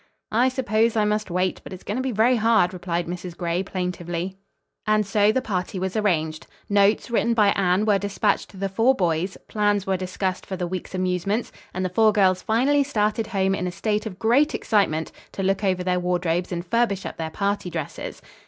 "I suppose I must wait, but it's going to be very hard," replied Mrs. Gray plaintively. And so the party was arranged. Notes, written by Anne, were dispatched to the four boys; plans were discussed for the week's amusements, and the four girls finally started home in a state of great excitement to look over their wardrobes and furbish up their party dresses.